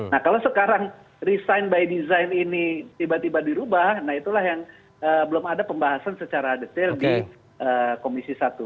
nah kalau sekarang resign by design ini tiba tiba dirubah nah itulah yang belum ada pembahasan secara detail di komisi satu